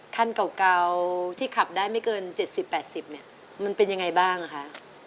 คันเก่าที่ขับได้ไม่เกิน๗๐๘๐เนี่ยมันเป็นยังไงบ้างคะ